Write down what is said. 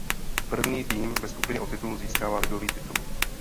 První tým ve skupině o titul získává ligový titul.